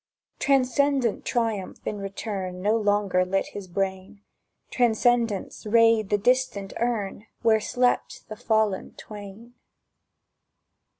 Transcendent triumph in return No longer lit his brain; Transcendence rayed the distant urn Where slept the fallen twain.